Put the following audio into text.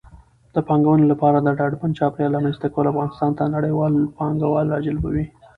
د پانګونې لپاره د ډاډمن چاپېریال رامنځته کول افغانستان ته نړیوال پانګوال راجلبوي.